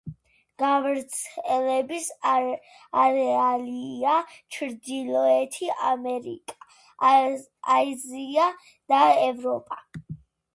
გავრცელების არეალია: ჩრდილოეთი ამერიკა, აზია და ევროპა.